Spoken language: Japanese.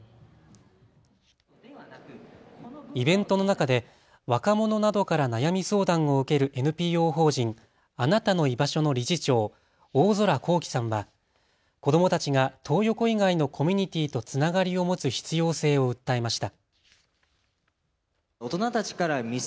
イベントの中で若者などから悩み相談を受けるＮＰＯ法人あなたのいばしょの理事長、大空幸星さんは子どもたちがトー横以外のコミュニティーとつながりを持つ必要性を訴えました。